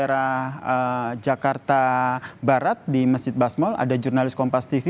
nah saya juga mau ajak nih kak ngasib untuk memantau dan juga pemirsa kompas tv ya